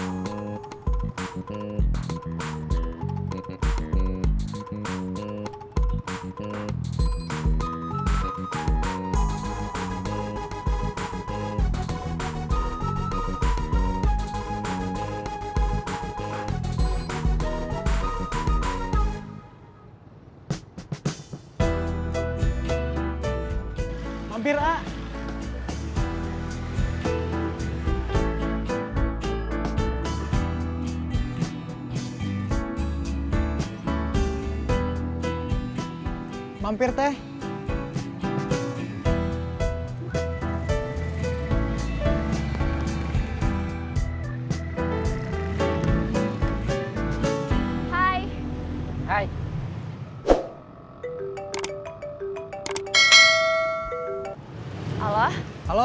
sepuluh menit juga dulu